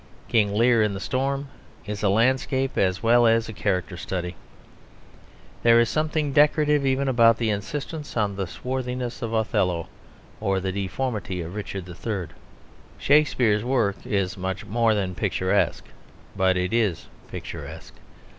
King Lear, in the storm, is a landscape as well as a character study. There is something decorative even about the insistence on the swarthiness of Othello, or the deformity of Richard III. Shakespeare's work is much more than picturesque; but it is picturesque.